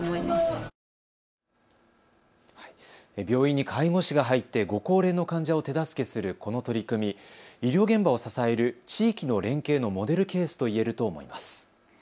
病院に看護師が入ってご高齢の患者を手助けするこの取り組み、医療現場を支える地域の連携のモデルケースと言えると思います。